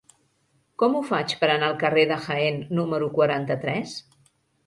Com ho faig per anar al carrer de Jaén número quaranta-tres?